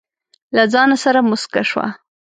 له ځانه سره موسکه شوه.